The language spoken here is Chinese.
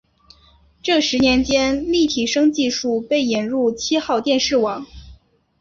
这十年间立体声技术被引入七号电视网。